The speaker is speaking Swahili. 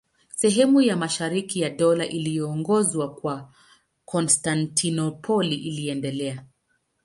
Sehemu ya mashariki ya Dola iliyoongozwa kutoka Konstantinopoli iliendelea.